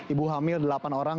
ibu hamil delapan orang